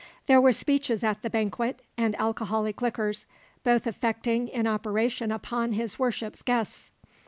There were speeches at the banquet, and alcoholic liquors, both affecting in operation upon his Worship's guests.